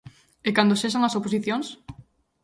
E cando sexan as oposicións?